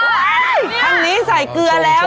ทางนี้ใส่เกลือแล้ว